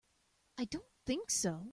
I don't think so.